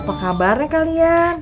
apa kabarnya kalian